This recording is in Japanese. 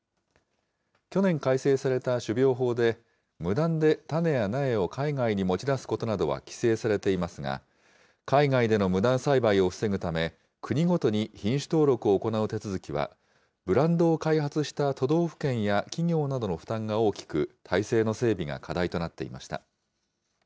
去年改正された種苗法で、無断で種や苗を海外に持ち出すことなどは規制されていますが、海外での無断栽培を防ぐため、国ごとに品種登録を行う手続きは、ブランドを開発した都道府県や企業などの負担が大きく、体制の整備が課題となっていました。